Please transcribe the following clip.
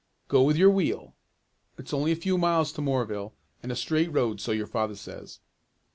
Go on your wheel. It's only a few miles to Moorville, and a straight road, so your father says."